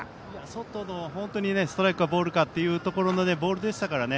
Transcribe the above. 外の、本当にストライクかボールかというところのボールでしたからね。